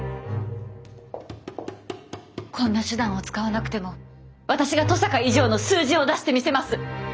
こんな手段を使わなくても私が登坂以上の数字を出してみせます！